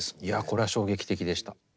いやこれは衝撃的でした。